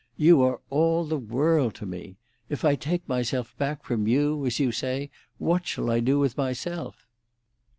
You are all the world to me. If I take myself back from you, as you say, what shall I do with myself?"